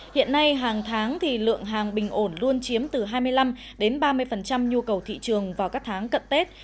hiện nay hàng tháng thì lượng hàng bình ổn luôn chiếm từ hai mươi năm đến ba mươi nhu cầu thị trường vào các tháng cận tết